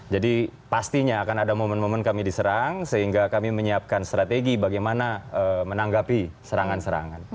jadi pastinya akan ada momen momen kami diserang sehingga kami menyiapkan strategi bagaimana menanggapi serangan serangan